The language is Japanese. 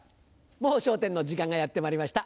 『もう笑点』の時間がやってまいりました。